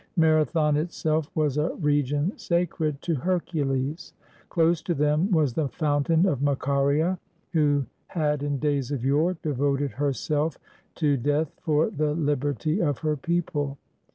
Marathon itself was a region sacred to Her cules. Close to them was the fountain of Macaria, who had in days of yore devoted herself to death for the lib erty of her people.